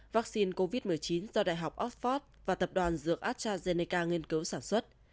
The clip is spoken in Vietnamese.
vaccine covid một mươi chín do đại học oxford và tập đoàn dược astrazeneca nghiên cứu sản xuất